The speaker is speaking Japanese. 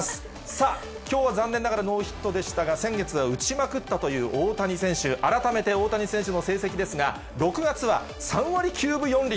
さあ、きょうは残念ながらノーヒットでしたが、先月は打ちまくったという大谷選手、改めて大谷選手の成績ですが、６月は３割９分４厘。